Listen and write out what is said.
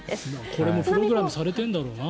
これもプログラムされてるんだろうな。